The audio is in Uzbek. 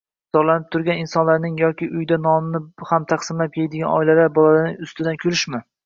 zorlanib yurgan insonlarning yoki uyda nonni ham taqsimlab yeydigan oilalar bolalarining ustidan kulishmi?